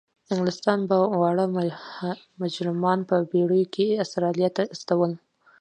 انګلستان به واړه مجرمان په بیړیو کې استرالیا ته استول.